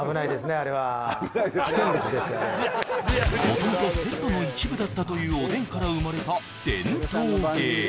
あれは元々セットの一部だったというおでんから生まれた伝統芸